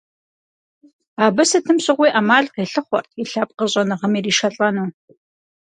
Абы сытым щыгъуи Ӏэмал къилъыхъуэрт и лъэпкъыр щӀэныгъэм иришэлӀэну.